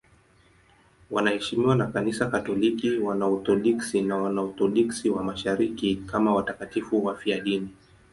Wanaheshimiwa na Kanisa Katoliki, Waorthodoksi na Waorthodoksi wa Mashariki kama watakatifu wafiadini.